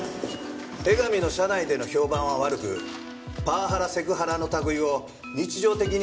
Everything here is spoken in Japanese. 江上の社内での評判は悪くパワハラセクハラの類いを日常的に繰り返していたそうです。